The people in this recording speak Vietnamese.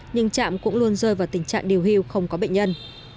nhưng trạm cũng luôn rơi vào tình trạng điều hưu không có bệnh nhân